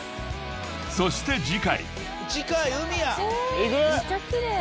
［そして次回］えぐ！